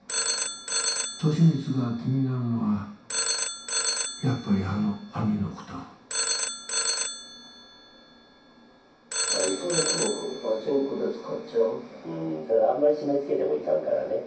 俊光が気になるのはやっぱりあの兄のことうんただあんまり締め付けてもいかんからね。